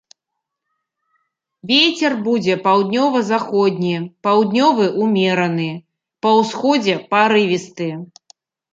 Вецер будзе паўднёва-заходні, паўднёвы ўмераны, па ўсходзе парывісты.